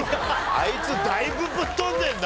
あいつだいぶぶっ飛んでんな。